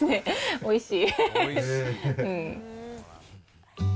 おいしい。